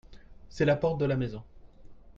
c'est la porte de la maison.